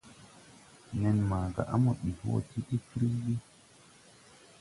Nen maaga a mo dig wɔɔ ti ti fruygi.